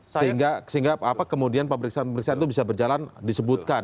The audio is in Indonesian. sehingga kemudian pemeriksaan pemeriksaan itu bisa berjalan disebutkan